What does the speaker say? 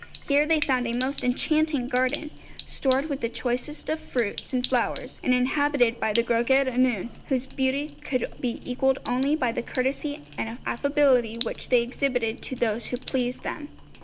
Here they found a most enchanting garden, stored with the choicest fruits and flowers, and inhabited by the Gwragedd Annwn, whose beauty could be equalled only by the courtesy and affability which they exhibited to those who pleased them.